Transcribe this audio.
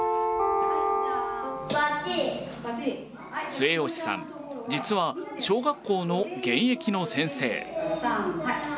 末吉さん、実は小学校の現役の先生。